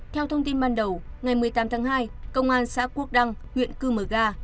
theo thông tin ban đầu ngày một mươi tám tháng hai công an xã quốc đăng huyện cư mờ ga